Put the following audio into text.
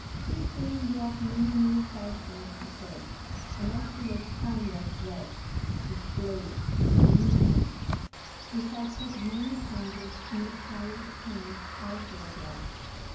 This queen brought many new fashions to court, and as she was fond of dress, display, and amusement, effected many changes in the pious king*s outward life.